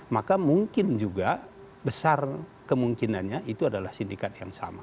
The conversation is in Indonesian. maka mungkin juga besar kemungkinannya itu adalah sindikat yang sama